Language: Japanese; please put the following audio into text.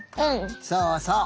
そうそう。